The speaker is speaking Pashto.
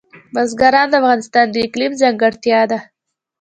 بزګان د افغانستان د اقلیم ځانګړتیا ده.